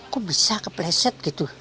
kok bisa kepleset gitu